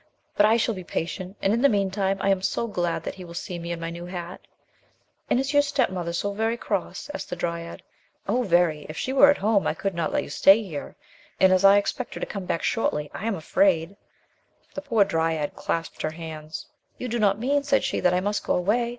But I shall be patient and, in the meantime, I am so glad that he will see me in my new hat." "And is your step mother so very cross?" asked the dryad. "Oh, very ! If she were at home I could not let you stay here, and as I ex pect her to come back shortly, I am afraid—" The poor dryad clasped her hands. 18 THE LOST DRYAD "You do not mean," she said, "that I must go away?